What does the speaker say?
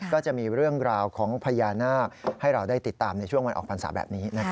ก็จะมีเรื่องราวของพญานาคให้เราได้ติดตามในช่วงวันออกพรรษาแบบนี้